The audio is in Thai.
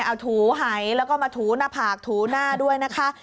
เอาถูหายแล้วก็มาถูหน้าผากถูหน้าด้วยนะคะ